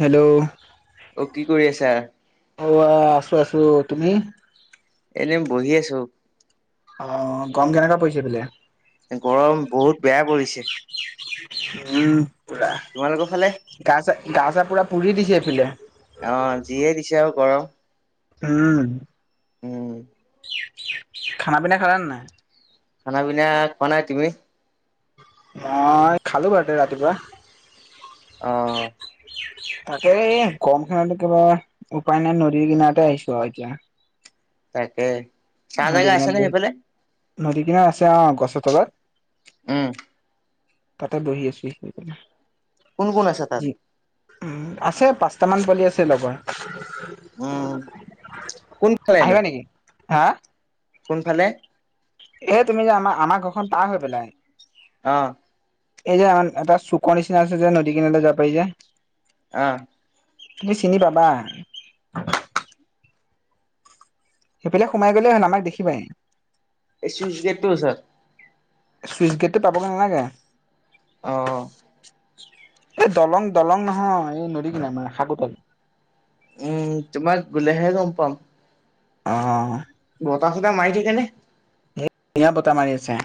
Hello. অ কি কৰি আছা? অ' আহ আছো আছো। তুমি? এনেই বহি আছো। অ গম কেনেকা পৰিছে হেইফালে। গৰম বহুত বেয়া পৰিছে। উম পুৰা তোমালোকৰ ফালে? গা চা, গা চা পুৰা পুৰি দিছে এইফালে। অ যিয়ে দিছে আৰু গৰম উম। [inaudible] খানা পিনা খালান নাই? খানা পিনা খোৱা নাই। তুমি? মই খালো বাৰতে ৰাতিপুৱা। অ। তাকে এই গম খনত একেবে উপায় নাই নদীৰ কিনাৰতে আহিছো এতিয়া। তাকে ছা নদী জাগা আছে কিনাৰত নে বহি সেইফালে? নদী কিনাত আছে অ' গছৰ তলত। উম। তাতে বহি আছো সেই। [unintelligible] কোন কোন আচা তাত। আছে পাঁচটামান পোৱালি আছে লগৰ। [unintelligible] উম কোন ফালে নো? আহিবা নেকি হা। কোনফালে? এ তুমি যে আমাৰ, আমাৰ ঘৰখন পাৰ হৈ পেলাই। অ এই যে আমা এটা চুক নিচিনা আছে যে নদী কিনাৰে যাব পাৰি যে। আহ। তুমি চিনি পাবা। সেইফালে সোমাই গ'লেই হল আমাক দেখিবাই। এ চুইজ গেট টোৰ ওচৰত। চুইচ গেটটো পাবগৈ নালাগে। অ' এই দলং, দলং নহয়। এই নদী কিনাৰত মানে শাকোতল। উম, তোমাৰ গ'লে হে লগ পাম। অহ'। বতাহ ছটাহ মাৰি থাকে নে? ধুনীয়া বতাহ মাৰি আছে।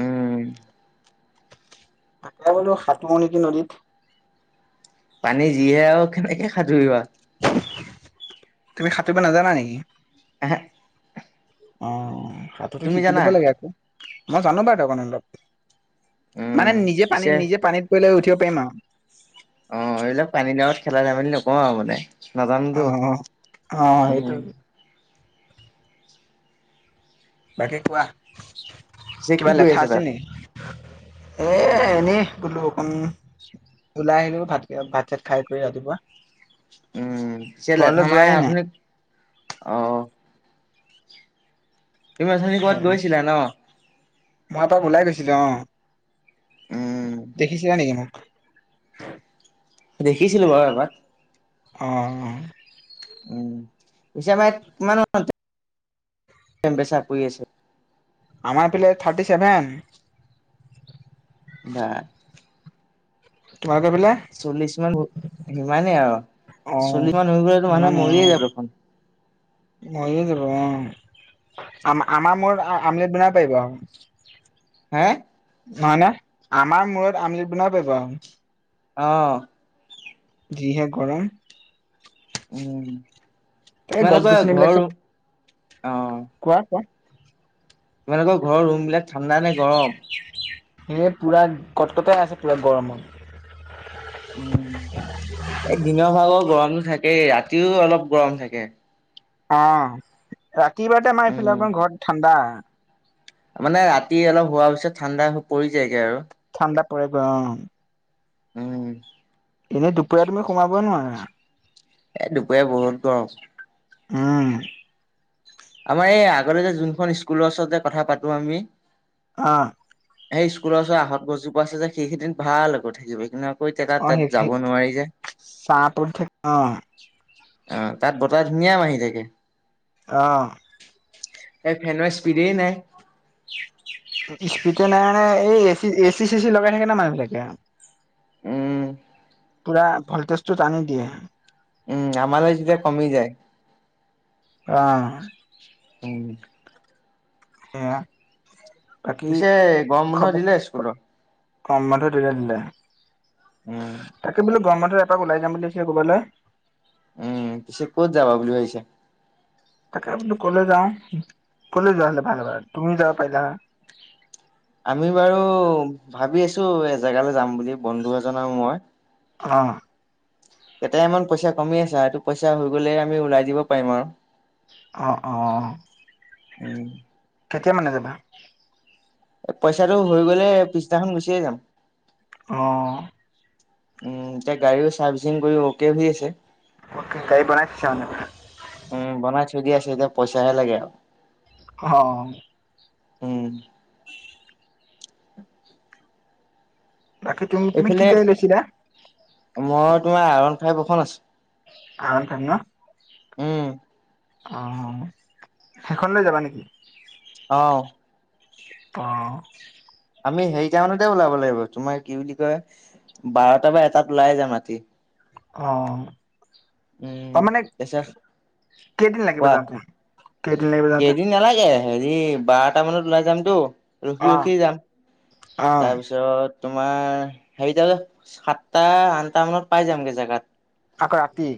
উম। তাকে বোলো সাঁতোৰ নেকি নদীত। পানী যিহে আৰু কেনেকৈ সাঁতুৰিবা? তুমি সাঁতুৰিব নাজানা নেকি? এহে। অ' সাতোটো শিকি জানা? ল'ব লাগে আকৌ। মই জানো বাৰু অলপ অলপ। উম মানে নিজে পানীত, পিছে নিজে পানীত পৰি লৈ উঠিব পাৰিম আৰু। অ এইবিলাক পানী গাঁৱত খেলা ধেমালি নকওঁ আৰু মানে। নাজানোতো আৰু অ অ সেইটো উম। বাকি কোৱা। পিছে কিবা কি কৰি লেঠা আছ আছিল তাত। নেকি এ এনেই বোলো অকণ। ওলাই আহিলো ভাত-ভাত চাত খাই কৰি ৰাতিপুৱা। উম, পিছে ঘৰলৈ লেথনাই যোৱাই নাই আপুনি অ'। তুমি অথনি ক'ৰবাত গৈছিলা ন? মই এপাক ওলাই গৈছিলো, অ' উম দেখিছিলা নেকি মোক? [unintelligible] দেখিছিলো বাৰু এবাৰ। অ' উম, পিছে আমাৰ কিমান [unintelligible] চেম বেচাপ কৰি আছে। আমাৰ ফালে থাৰ্টি ছেভেন। বা তোমালোকৰ পিলে? চল্লিশ মান সিমানেই আৰু। অ', চল্লিশমান হৈ গলেতো মানুহ ইমানে মৰিয়ে অ', যাব দেখোন। মৰিয়ে যাব অ'। আম আমাৰ মূৰত আমলেট বনাব পাৰিব আৰু। হে হয়েনা আমাৰ মূৰত আমলেট বনাব পাৰিব আৰু। অহ' যি হে গৰম। উম, এই গছ তোমালোকৰ গছনিবিলাক ঘৰো চব ৰুম অ'। কোৱা কোৱা তোমালোকৰ ঘৰৰ ৰুম বিলাক ঠাণ্ডা নে গৰম। এই পূৰা কটকটাই আছে পূৰা গৰমত। উম, এই দিনৰ ভাগৰ গৰমটো থাকেই ৰাতিও অলপ গৰম থাকে। অ' ৰাতিুৱাতে আমাৰ উম, এইফালে অ'ক ঘৰত ঠাণ্ডা। মানে ৰাতি অলপ হোৱাৰ পিছত ঠাণ্ডা হৈ পৰি যায়গে আৰু। ঠাণ্ডা পৰেগৈ অ' উম। এনেই দুপৰীয়া তুমি সোমাব নোৱাৰা। এ দুপৰীয়া বহুত গৰম। উম। আমাৰ এই আগতে যে যোনখন স্কুলৰ ওচৰতে কথা পাতো আমি। আহ সেই স্কুলৰ ওচৰত আহঁত গছজোপা আছে যে সেইখিনিত ভাল আকৌ থাকিব কিন্তু কৈ তোত অ', তাত সেই যাব নোৱাৰি যে চাহ পৰি থাকে অ', অ তাত বতৰ ধুনীয়া মাৰি থাকে অ ইয়াত ফেনৰ স্পীডেই নাই স্পিড নাই মানে এই এচি এচি চি চি লগাই থাকে না মানুহ বিলাকে আৰু উম পুৰা ভলটেজটো টানি দিয়ে উম আমালে যেতিয়া কমি যায় অ উ সেয়া বাকী পিছে গৰম বন্ধ খবৰ দিলে স্কুলৰ গৰম বন্ধ দিলে দিলে উম তাকে বোলো গৰম বন্ধত এপাক ওলাই যাম বুলি ভাবিছিলো ক'ৰবালৈ উম পিছে ক'ত যাবা বুলি ভাবিছে তাকে বোলো কলে যাওঁ কলে যোৱা হলে ভাল ভাল তুমিও যাব পাৰিলা হয় আমি বাৰু ভাবি আছো এজেগালৈ যাম বুলি বন্ধু এজন আৰু মই অ কেতামান পইচা কমি আছে সেটো পইচা হৈ গ'লে আমি ওলাই যিব পাৰিম আৰু অ অ অ। উম। কেতিয়া মানে যাবা- এ পইচাটো হৈ গ'লে পিছদিনাখন গুচিয়ে যাম- অ উম এতিয়া গাড়ীও চাৰ্ভিচিং কৰি অকে হৈ আছে- অকে কাই বনাই চ ন। চদি আছে এতিয়া পইচাহে লাগে আৰু- অ। উম। বাকি তুমি তুমি কি এইফালে গাড়ী লৈছিলা। মই তোমাৰ আৰ ওৱান ফাইভ এখন আছে অ [unintelligible] উম। অ সেইখন লৈ যাবা নেকি- অ ত [unintelligible] আমি হেৰিটামানতে ওলাব লাগিব তোমাৰ কি বুলি কয়- বাৰটা বা এটাত ওলাই যাম ৰাতি- অ। উম অ' মানে এচ-চা কেইদিন লাগিব কোৱা যাওঁতে কেইদিন লাগিব যাওঁতে কেইদিন নালাগে হেৰি- বাৰটা মানত ওলাই যামতো ৰখি অ', ৰখি যাম অ', তাৰপিছত- তোমাৰ হেৰিত সাতটা আঠটা মানত পাই যামগে জেগাত- আকৌ ৰাতি-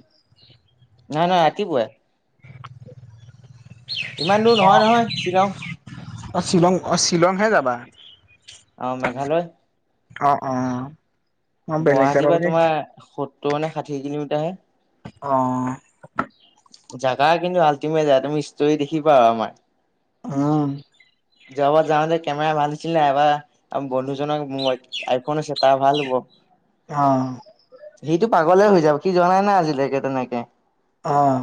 না না ৰাতিপুৱাই। ইমান দূৰ নহয় নহয় চ্বিলং- অ শ্বিলং অ শ্বিলংহে যাবা। অঁ মেঘালয়- অ অ। মই বেলেগ গুৱাহাটীৰ যাবা পৰা বুলি তোমাৰ সত্তৰ নে ষাঠি কিলোমিটাৰহে- অ। জেগা কিন্তু আল্টিমেট তুমি ষ্টোৰী দেখিবা আৰু আমাৰ। উম্ যোৱাবাৰ যাওঁতে কেমেৰা ভাল আছিল এইবাৰ বন্ধুজনৰ আইফোন আছে তাৰ ভাল হ'ব। অ। সিটো পাগলে হৈ যাব সি যোৱা নাই না আজিলৈকে তেনেকে- অ',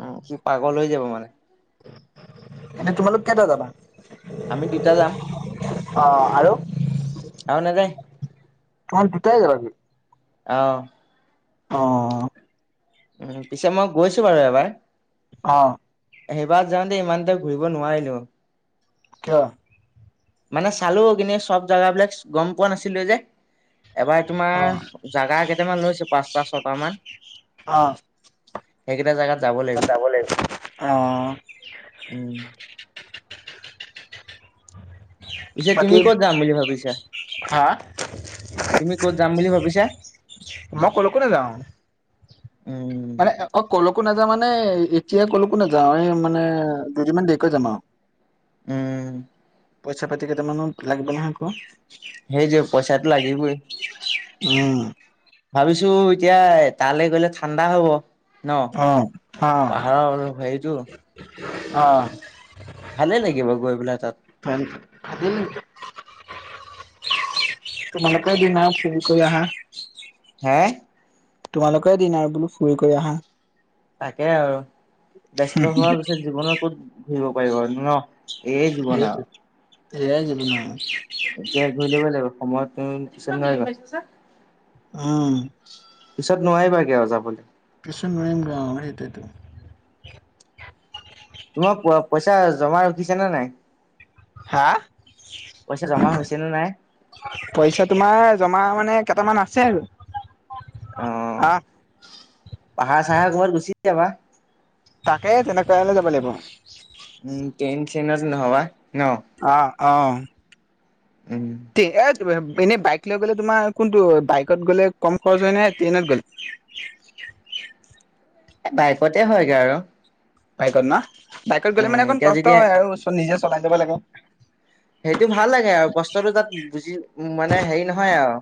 উম সি পাগল হৈ যাব মানে। এনেই তোমালোক কেইটা যাবা? আমি দুতা যাম অ', আৰু আৰু নেযায় - তহত দুটাই যাবি? অ। অ। উ পিছে মই গৈছো বাৰু এবাৰ। অ। সেইবাৰ যাওঁতে ইমান এটা ঘূৰিব নোৱাৰিলো। কিয়? মানে চালো কিন্তু চব জেগাবিলাক গম পোৱা নাছিলো যে। এবাৰ অ', তোমাৰ জাগা কেইটামান লৈছো পাঁচটা ছয়টা মান। অ। সেইকিটা জাগাত ত যাব লাগিব। অ উম পিছে তুমি বাকী ক'ত যাম বুলি ভাবিছা। হা তুমি কত যাম বুলি ভাবিছা। মই ক'লৈকো নাযাওঁ উম মানে অ কল'কো নাযাওঁ মানে মানে এতিয়া ক'ল'কো নাযাওঁ এই মানে দুদিনমান দেৰিকৈ যাম আৰু। উম'। পইচা পাতি কেইটামানো লাগিব নহয় আকৌ। সেইটোৱেই পইচাটো লাগিবই, উম, ভাবিছো তিয়া তালৈ গ'লে ঠাণ্ডা হব। ন অ', পাহাৰৰ হেৰিটো। ভালে আহ লাগিব গৈ পেলাই তাত [unintelligible] তোমালোকৰে দিন আৰু ফুৰি কৰি আহা। হে তোমালোকৰে দিন আৰু বোলো ফুৰি কৰি আহা। তাকে আৰু ব্যস্ত হোৱাৰ পিছত জীৱনত ক'ত ঘূৰিব পাৰিবা আৰু ন। এইয়ে জীৱন সেইটো সেয়াই জীৱন এতিয়া ঘূৰি লব লাগিব সময়ত [unintelligible] পিছত নোৱাৰিবা উম্ পিছত নোৱাৰিবাগৈ আৰু যাবলৈ। পিছত নোৱাৰিমগে আৰু সেইটোৱেইটো। তোমাৰ পইচা জমা উঠিছে নে নাই। হা, পইচা জমা হৈছে নে নাই পইচা তোমাৰ জমা মানে কেইটামান আছে আৰু। আহ পাহাৰ চাহাৰ ক'বাত গুচি যাবা। তাকে তেনেকৈ হলেও যাব লাগিব। উম ট্রেন চেনত নহবা ন। অঁ'। উম তে এক। এনেই বাইক লৈ গ'লে তোমাৰ কোনটো বাইকত গ'লে কম খৰচ হয় নে ট্ৰেইনত গ'লে। এই বাইকতে হয়গৈ আৰু। বাইকত ন বাইকত গ'লে উম মানে অকণ এতিয়া কষ্ট যেতিয়া হয় আৰু নিজে চলাই যাব লাগে। সেইটো ভাল লাগে আৰু কষ্টটো তাত বুজি উ মানে হেৰি নহয় আৰু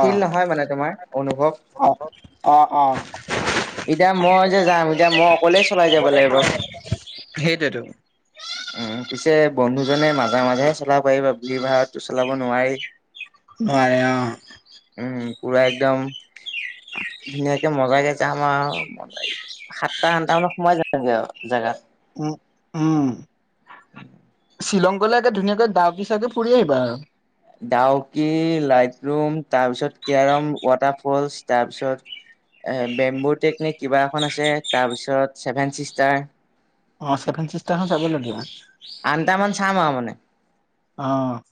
ফিল নহয় মানে তোমাৰ অনুভৱ। অ', অ', এতিয়া মই যে যাম, এতিয়া মই অকলেই চলাই যাব লাগিব। সেইটোৱে টো। উম, পিছে বন্ধুজনে মাজে মাজেহে চলাব পাৰিবা বুলি ভাত। চলাব নোৱাৰি নোৱাৰে অ। উম, পুৰা একদম- ধুনীয়াকে মজাকে যাম আৰ ম সাতটা আঠটা মানত সোমাই যামগৈ আৰু। জেগাত। উম, উম। [inaudible] শ্বিলংলৈ গ'লে ধুনীয়াকৈ দাওকী চাওকি ফুৰি আহিবা আৰু। ডাওকী লাইট। ৰুম তাৰপিছত কেৰম ৱাটাৰফলছ তাৰপিছত এ বেম্বো টেকনিক কিবা এখন আছে, তাৰপিছত ছেভেন ছিষ্টাৰ। অ' ছেভেন চিষ্টাৰ খন চাব লাগীয়া। আঠটামান চাম আৰু মানে। আহ।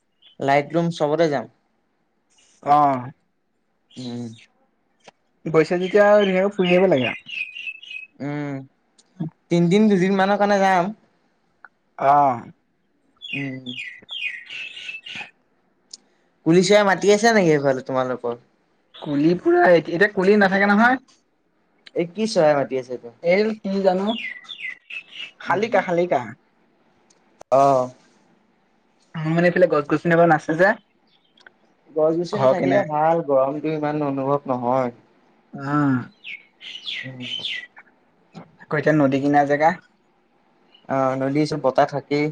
লাইট ৰুম চবতে যাম। অহ' উম। গৈছা যেতিয়া ধুনীয়াকে ফুৰি আহিব লাগে। উম, তিনদিন দুদিন মানৰ কাৰণে যাম। আহ। উম। কুলি চৰাই মাতি আছে নেকি সেইফালে তোমালোকৰ? কুলি পুৰা এতি এতিয়া কুলি নাথাকে নহয়। এই কি চৰাই মাত এইল কি জানো শালিকা, শালিকা। অহ' মোৰ মানে এইফালে গছ গছনি অকণ আছে যে। গছ গছনি ঘৰৰ থাকিলে কিনাৰে ভাল গৰমতো ইমান অনুভৱ নহয়। উম। উম, আকৌ এতিয়া নদী কিনাৰ জেগা। আহ নদীৰ ওচৰত বতাহ থাকেই।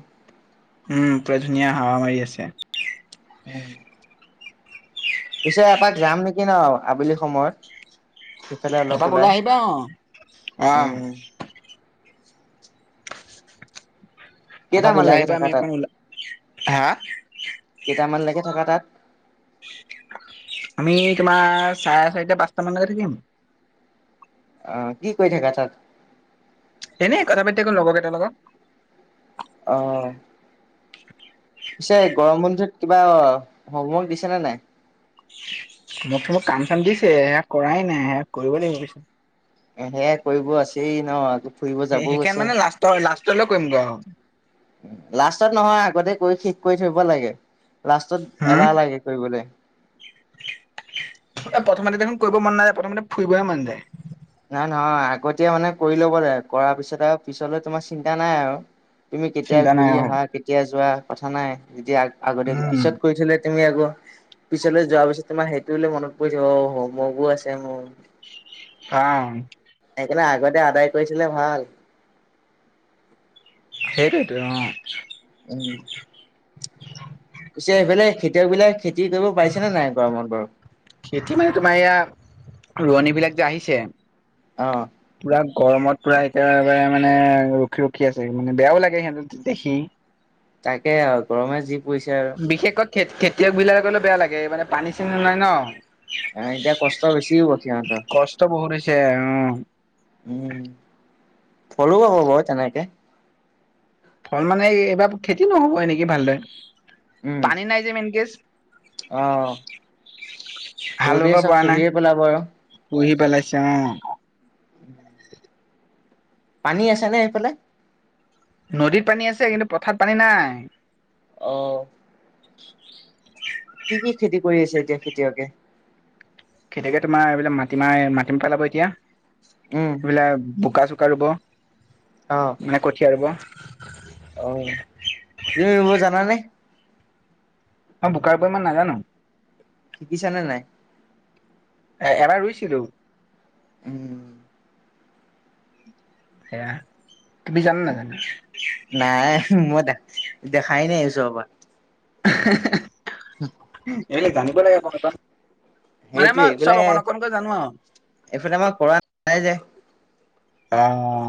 উম, পোৰা ধুনীয়া হাৱা মাৰি আছে। উম, পিছে এপাক যাম নেকি ন আবেলি সময়ত। সিফালে অলপ এপাক ওলাই, আহিবা অ অ উম। এপাক কেইটামান ওলাই লাগে আহিবা থাকা আমি তাত অকণ ওলা হা কেইটামানলেকে থাকা তাত? আমি তোমাৰ চাৰে চাৰিটা পাঁচটা মানলৈকে থাকিম। আহ, কি কৰি থাকা তাত? এনে কথা পাতি থাকো লগ কেইটাৰ লগত। অহ' পিছে, গৰম বন্ধুত কিবা আহ হোমৱৰ্ক দিছেনে নাই? মোক টো কাম চাম দিছে হেয়া কৰাই নাই, কৰিব লাগিব পিছে। হেয়াই কৰিব আছেই ন আকৌ ফুৰিব যাবও সেইখন আছে। মানে লাষ্টৰ লাষ্টলৈ কৰিম গৈ আৰু লাষ্টত নহয় আগতে কৈ শেষ কৰি থাকিব নেলাগে, লাষ্টত হম এলাহ লাগে কৰিবলৈ। প্ৰথমতে দেখোন কৰিব মন নায় প্ৰথমতে ফুৰিবহে মন যায়। নাই নহয় আগতীয়া মানে কৰি ল'ব লাগে। কৰাৰ পিছত আৰু পিছলৈ তোমাৰ চিন্তা নাই আৰু। তুমি কেতিয়া চিন্তা নাই ঘূৰি আৰু আহা কেতিয়া যোৱা কথা নাই। যেতিয়া আ-আগতে উম পিছত কৰি থলে তুমি আকৌ পিছলৈ যোৱাৰ পিছত তোমাৰ সেইটোলে মনত পৰি থাকিব। অ হমৱৰ্কবোৰ আছে মোৰ কাম। সেইকাৰণে আগতে আদায় কৰিথলে ভাল। সেইটোৱেটো অ। উম [inaudible] পিছে এইফালে খেতিয়ক বিলাক খেতি কৰিব পাৰিছেনে নাই গৰমত বাৰু? খেতি মানে তোমাৰ এয়া ৰোৱনী বিলাক যে আহিছে অ। পুৰা গৰমত পুৰা একেবাৰে মানে ৰখি ৰখি আছে, মানে বেয়াও লাগে সিহঁতক দেখি তাকে আৰু গৰমে যি পৰিছে আৰু খেত-খেতিয়ক বিলাকলে বেয়া লাগে এই মানে পানী-চানী নাই ন। এ এতিয়া কষ্ট বেছি হ'ব সিহঁতৰ। ছে, অ উম, ফলো পাব বাৰু তেনেকে। ফল মানে এই এইবাৰ খেতি নহ'ব নেকি ভালদৰে, পানী নাই যে মেইন কেচ। আহ। হালবাব পোৱা নাই, পেলাব আৰু। সুহি পেলাইছ অ। [inaudible] পানী আছেনে সেইফালে? নদীত পানী আছে, কিন্তু পথাৰত পানী নাই। আহ। কি কি খেতি কৰি আছে এতিয়া খেতিয়কে? খেতিয়কে তোমাৰ এইবিলাক মাটি মাহ মাটি পেলাব এতিয়া, উম, এইবিলে বোকা চ ৰুব অ', মানে কঠীয়াা ৰুব। অ। তুমিব জানানে? অ বোকাৰ ৰুব ইমান নাজানো। শিকিছ নে নাই? এ এনে ৰুইছিলো। উম। এয়া। উ নাই মই দে-দেখাই নাই ওচৰৰ পৰা। [unintelligible] [inaudible] এনে জানিব লাগে [unintelligible] মানে সেইটোৱে মই এইফালে চব অকণ অকণকৈ জানো আৰু। এইফালে আমাৰ কৰা নাই যে। অ